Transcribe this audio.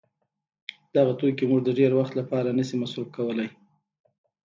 دغه توکي موږ د ډېر وخت له پاره نه سي مصروف کولای.